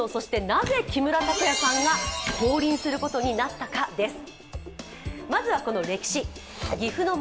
なぜ木村拓哉さんが降臨することになったかです。